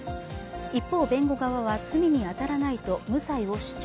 一方、弁護側は罪に当たらないと無罪を主張。